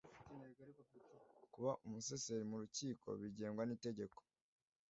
kuba umuseseri mu rukiko bigenwa n’itegeko